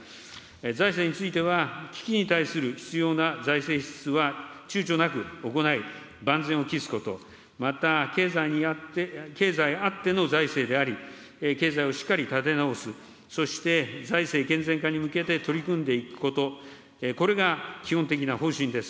財政については、危機に対する必要な財政支出は、ちゅうちょなく行い、万全を期すこと、また経済あっての財政であり、経済をしっかり立て直す、そして、財政健全化に向けて取り組んでいくこと、これが基本的な方針です。